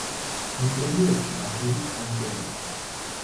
ინტერიერში აგურის კანკელია.